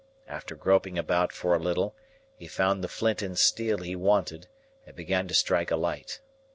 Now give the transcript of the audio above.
After groping about for a little, he found the flint and steel he wanted, and began to strike a light.